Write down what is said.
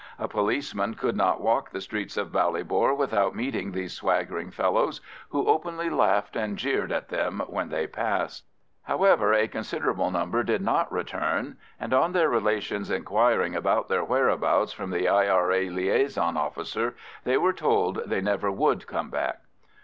A policeman could not walk the streets of Ballybor without meeting these swaggering fellows, who openly laughed and jeered at them when they passed. However, a considerable number did not return, and on their relations inquiring about their whereabouts from the I.R.A. liaison officer, they were told they never would come back.